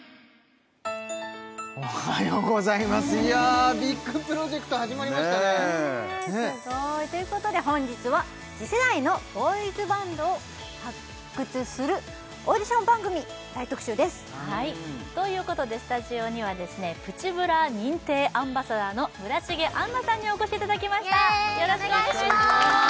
おはようございますいやビッグプロジェクト始まりましたねということで本日は次世代のボーイズバンドを発掘するオーディション番組大特集ですということでスタジオにはですねプチブラ認定アンバサダーの村重杏奈さんにお越しいただきましたお願いします